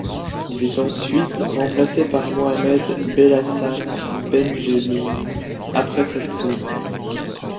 Il est ensuite remplacé par Mohamed Belahssan Benjelloun après cette saison.